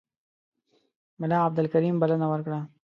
ملا عبدالکریم بلنه ورکړه.